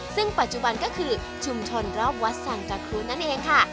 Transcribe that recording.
ซึ่งปัจจุบันก็คือชุมชนรอบวัดสังตะคูณนั่นเองค่ะ